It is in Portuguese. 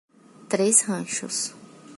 Três Ranchos